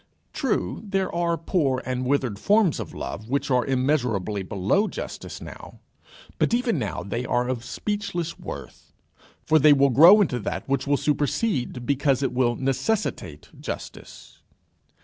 True, there are poor and withered forms of love which are immeasurably below justice now; but even now they are of speechless worth, for they will grow into that which will supersede, because it will necessitate, justice.